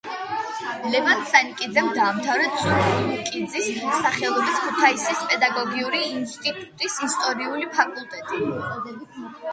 ლევან სანიკიძემ დაამთავრა წულუკიძის სახელობის ქუთაისის პედაგოგიური ინსტიტუტის ისტორიული ფაკულტეტი.